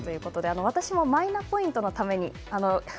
私もマイナポイントのために。